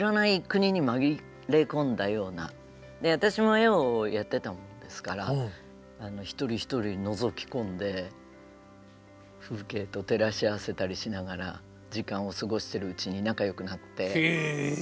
私も絵をやってたもんですから一人一人のぞき込んで風景と照らし合わせたりしながら時間を過ごしてるうちに仲よくなって。